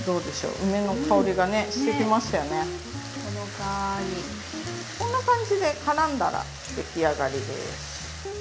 こんな感じでからんだらできあがりです。